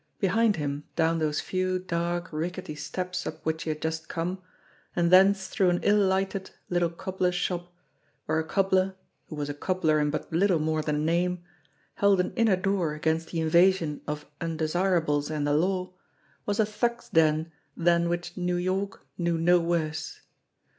Behind him, down those few dark, rickety steps up which he had just come, and thence through an ill lighted little cobbler's shop, where a cobbler, who was a cobbler in but little more than name, held an inner door against the invasion of undesirables and the law, was a thug's den than which New York knew no worse.